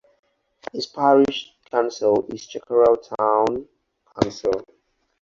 Its parish council is Chickerell Town Council.